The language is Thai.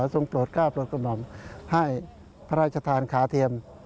ทรงโปรดฆ่าโปรดคนลงให้พระราชทานขาเทียม